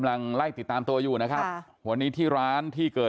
แล้วก็ไปตามประตูข้างเข้าอีกครั้งหนึ่ง